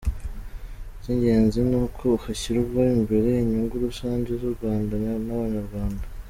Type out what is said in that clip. Icy’ingenzi ni uko hashyirwa imbere inyungu rusange z’u Rwanda n’Abanyarwanda.